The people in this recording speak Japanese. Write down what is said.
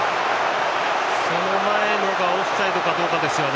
その前のがオフサイドかどうかですね。